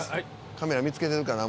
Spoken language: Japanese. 「カメラ見つけてるかな？